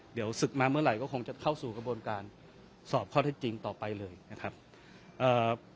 เดี๋ยวศึกมาเมื่อไหร่ก็คงจะเข้าสู่กระบวนการสอบข้อเท็จจริงต่อไปเลยนะครับเอ่อ